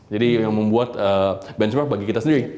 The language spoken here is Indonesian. jadi yang membuat benchmark bagi kita sendiri